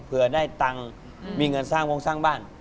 เพื่อได้ตังค์มีเงินสร้างวงสร้างบ้าน